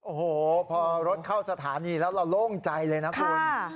โอ้โหพอรถเข้าสถานีแล้วเราโล่งใจเลยนะคุณ